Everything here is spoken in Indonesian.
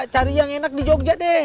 cari yang enak di jogja deh